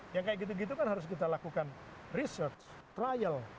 yang kayak gitu gitu kan harus kita lakukan research trial